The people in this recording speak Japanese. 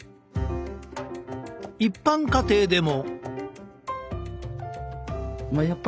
一般家庭でも。